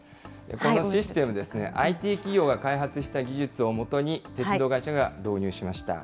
このシステムですね、ＩＴ企業が開発した技術を基に、鉄道会社が導入しました。